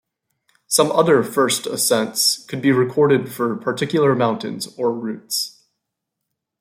Some other "first ascents" could be recorded for particular mountains or routes.